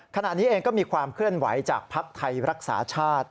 ขณะนี้เองก็มีความเคลื่อนไหวจากภักดิ์ไทยรักษาชาติ